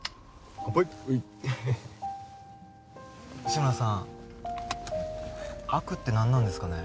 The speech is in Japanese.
志村さん悪って何なんですかね？